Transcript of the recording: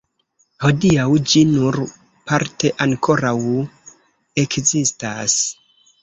Hodiaŭ ĝi nur parte ankoraŭ ekzistas.